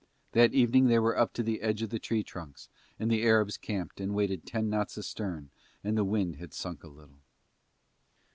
That evening they were up to the edge of the tree trunks and the Arabs camped and waited ten knots astern and the wind had sunk a little.